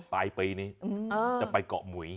ปลายปีนี้จะไปเกาะหมุย